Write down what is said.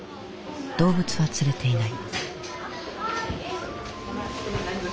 動物は連れていない。